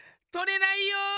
とれないよ！